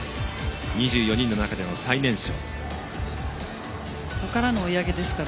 ２４人の中での最年少。